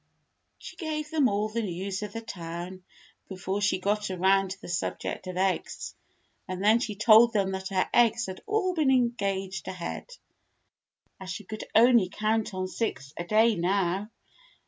She gave them all the news of the town, before she got around to the subject of eggs, and then she told them that her eggs had all been engaged ahead, as she could only count on six a day now.